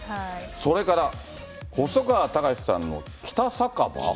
それから細川たかしさんの北酒場。